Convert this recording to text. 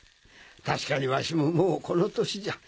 確かにワシももうこの年じゃ。